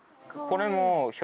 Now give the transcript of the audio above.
これも。